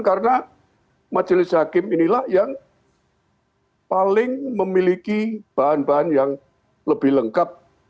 karena majelis hakim inilah yang paling memiliki bahan bahan yang lebih lengkap